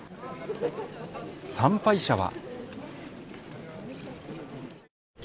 参拝者は。